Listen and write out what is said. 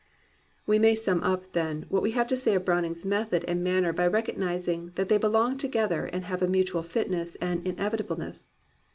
We may sum up, then, what we have to say of Browning's method and manner by recognizing that they belong together and have a mutual fitness and inevitableness.